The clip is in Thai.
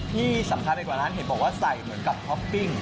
ที่สำคัญไปกว่านั้นเห็นบอกว่าใส่เหมือนกับท็อปปิ้ง